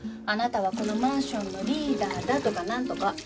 「あなたはこのマンションのリーダーだ」とかなんとか。